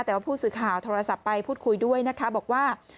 แต่ว่าผู้สื่อข่าวโทรศัพท์ไปพูดคุยด้วยนะคะบอกว่า